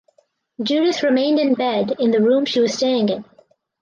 Judith remained in bed in the room she was staying in.